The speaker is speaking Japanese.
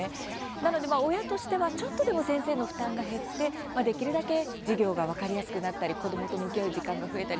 なので親としてはちょっとでも先生の負担が減ってできるだけ授業が分かりやすくなったり子どもと向き合う時間が増えたり